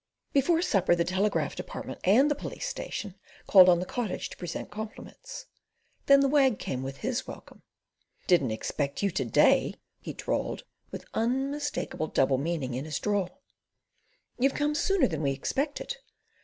Before supper the Telegraph Department and the Police Station called on the Cottage to present compliments. Then the Wag came with his welcome. "Didn't expect you to day," he drawled, with unmistakable double meaning in his drawl. "You're come sooner than we expected.